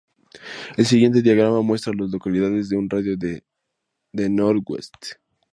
El siguiente diagrama muestra a las localidades en un radio de de Northwest.